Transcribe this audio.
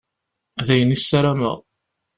D ayen i ssarameɣ.